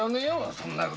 そんな事。